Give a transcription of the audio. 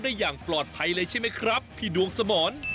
อย่างปลอดภัยเลยใช่ไหมครับพี่ดวงสมร